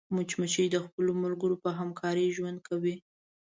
مچمچۍ د خپلو ملګرو په همکارۍ ژوند کوي